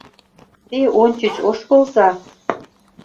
Те ончыч ошкылза.